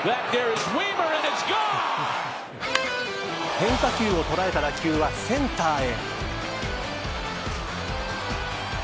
変化球を捉えた打球はセンターへ。